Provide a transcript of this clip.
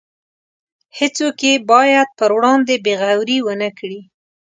هیڅوک یې باید پر وړاندې بې غورۍ ونکړي.